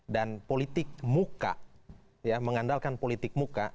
dan politik muka ya mengandalkan politik muka